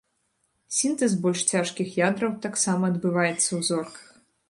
Сінтэз больш цяжкіх ядраў таксама адбываецца ў зорках.